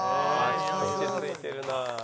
落ち着いてるな。